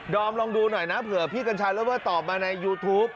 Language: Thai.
อมลองดูหน่อยนะเผื่อพี่กัญชาเลอเวอร์ตอบมาในยูทูป